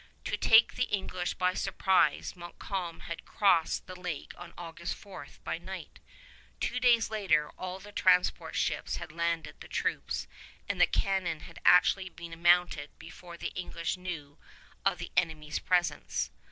To take the English by surprise, Montcalm had crossed the lake on August 4 by night. Two days later all the transport ships had landed the troops and the cannon had actually been mounted before the English knew of the enemy's presence.